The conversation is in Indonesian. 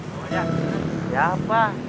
bang ojak siapa